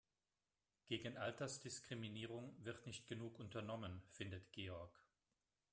Gegen Altersdiskriminierung wird nicht genug unternommen, findet Georg.